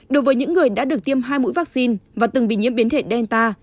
đối với những người đã được tiêm hai mũi vaccine và từng bị nhiễm biến thể delta